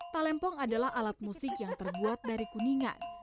palempong adalah alat musik yang terbuat dari kuningan